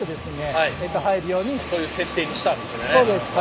そういう設定にしたんですね。